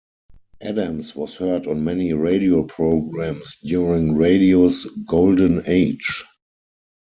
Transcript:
Adams was heard on many radio programs during Radio's Golden Age.